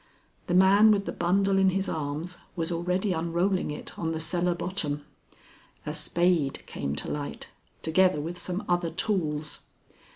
The man with the bundle in his arms was already unrolling it on the cellar bottom. A spade came to light, together with some other tools.